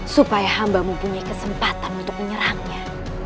supaya hamba mempunyai kesempatan untuk menyerangnya